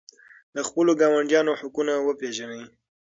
د خپلو ګاونډیانو حقونه وپېژنئ.